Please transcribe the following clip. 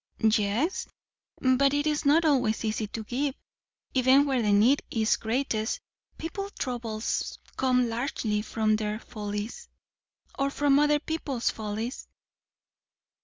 "Yes; but it is not always easy to give, even where the need is greatest. People's troubles come largely from their follies." "Or from other people's follies."